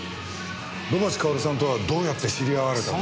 土橋かおるさんとはどうやって知り合われたんですか？